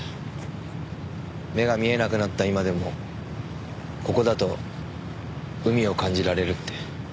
目が見えなくなった今でもここだと海を感じられるって。